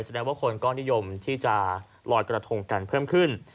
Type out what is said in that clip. แสดงว่าคนก็นิยมที่จะลอยกระทงกันเพิ่มขึ้น